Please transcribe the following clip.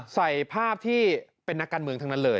ใส่ภาพที่เป็นนักการเมืองทั้งนั้นเลย